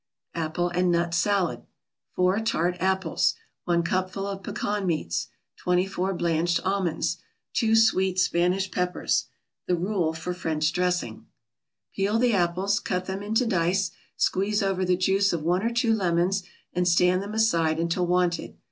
APPLE AND NUT SALAD 4 tart apples 1 cupful of pecan meats 24 blanched almonds 2 sweet Spanish peppers The rule for French dressing Peel the apples, cut them into dice, squeeze over the juice of one or two lemons, and stand them aside until wanted.